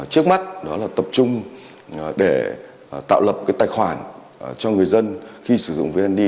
trước mắt đó là tập trung để tạo lập tài khoản cho người dân khi sử dụng vnd